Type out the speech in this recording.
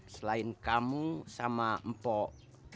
selain kamu sama empok